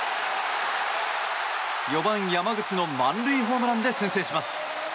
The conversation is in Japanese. ４番、山口の満塁ホームランで先制します。